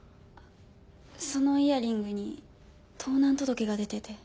そのイヤリングに盗難届が出てて。